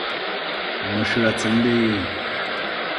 مشره څرنګه یی.